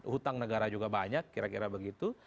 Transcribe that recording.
hutang negara juga banyak kira kira begitu